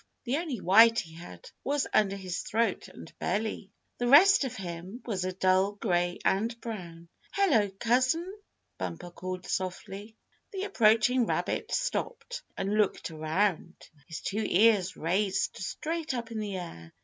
The only white he had was under his throat and belly. The rest of him was a dull gray and brown. "Hello, Cousin!" Bumper called softly. The approaching rabbit stopped and looked around, his two ears raised straight up in the air.